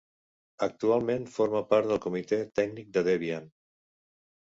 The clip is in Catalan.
Actualment, forma part del comitè tècnic de Debian.